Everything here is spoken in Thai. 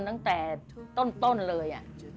สมควรต้นเลย